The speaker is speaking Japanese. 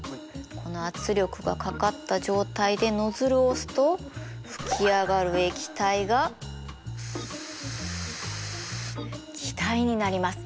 この圧力がかかった状態でノズルを押すと噴き上がる液体が気体になります。